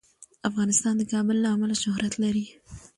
افغانستان د کابل له امله شهرت لري.